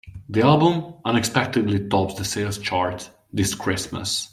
The album unexpectedly tops the sales chart this Christmas.